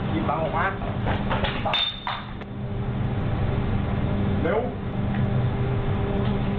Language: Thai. เชิญอื่นด้วย